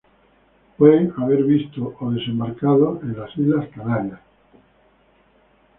Pueden haber visto, o desembarcado, en las islas Canarias.